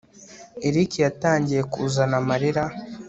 erick yatangiye kuzana amarira